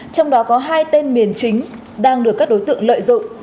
trong đó có hai tên miền chính đang được các đối tượng lợi dụng